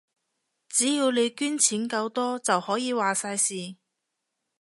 只要你捐錢夠多，就可以話晒事